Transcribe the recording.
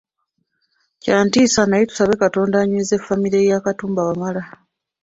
Kya ntiisa naye tusaba Katonda anyweze famire ya Katumba Wamala.